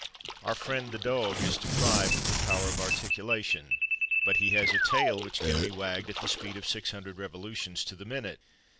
Our friend the dog is deprived of the power of articulation, but he has a tail which can be wagged at the speed of 600 revolutions to the minute.